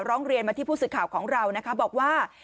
ร้องเรียนมาที่ผู้สื่อข่าวของเรานะคะบอกว่า